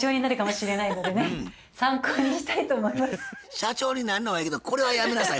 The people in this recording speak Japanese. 社長になるのはええけどこれはやめなさい